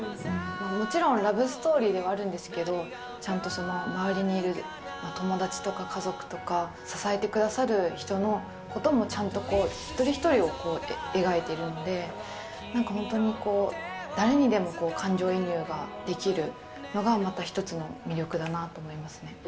もちろん、ラブストーリーではあるんですけれども、ちゃんとその周りにいる友達とか家族とか、支えてくださる人のこともちゃんと一人一人を描いてるんで、なんか本当にこう、誰にでも感情移入ができるのが、また一つの魅力だなと思いますね。